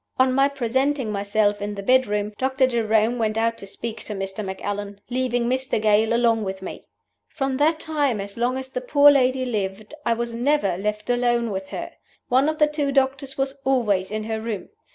On my presenting myself in the bedroom, Doctor Jerome went out to speak to Mr. Macallan, leaving Mr. Gale along with me. From that time as long as the poor lady lived I was never left alone with her. One of the two doctors was always in her room.